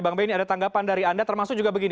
bang benny ada tanggapan dari anda termasuk juga begini